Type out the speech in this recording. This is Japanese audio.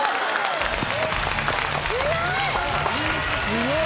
強い！